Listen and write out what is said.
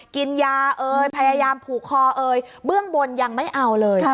กินยาเอยพยายามผูกคอเอ่ยเบื้องบนยังไม่เอาเลย